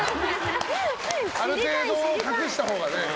ある程度隠したほうがね。